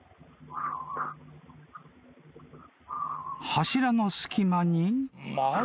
［柱の隙間に］